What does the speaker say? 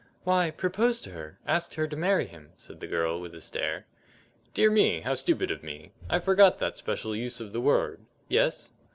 "Why, proposed to her asked her to marry him," said the girl, with a stare. "Dear me! How stupid of me! I forgot that special use of the word. Yes?"